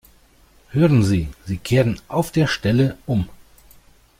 Hören Sie, Sie kehren auf der Stelle um!